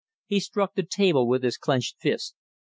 He struck the table with his clenched fist.